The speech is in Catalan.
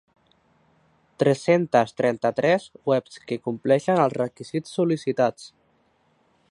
Tres-centes trenta-tres webs que compleixen els requisits sol·licitats.